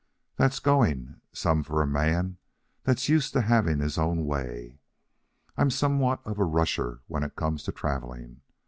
That's going some for a man that's used to having his own way. I'm somewhat of a rusher when it comes to travelling.